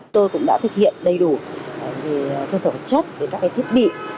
tôi cũng đã thực hiện đầy đủ về cơ sở vật chất về các thiết bị